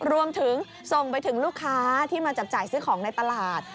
รวมถึงส่งไปถึงลูกค้าที่มาจับจ่ายซื้อของในตลาด